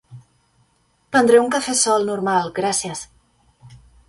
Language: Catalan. Prendre un cafè sol normal, gràcies.